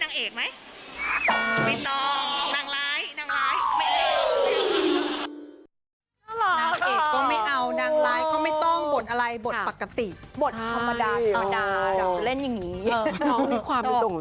น้องมีความรู้สึกของตัวเองเยอะ